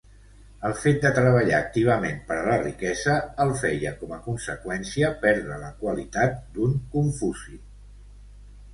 El fet de treballar activament per a la riquesa el feia com a conseqüència perdre la qualitat d'un Confuci.